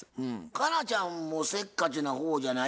佳奈ちゃんもせっかちな方じゃないですか？